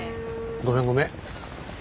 ごめんごめん。